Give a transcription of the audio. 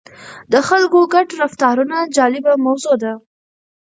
د خلکو ګډ رفتارونه جالبه موضوع ده.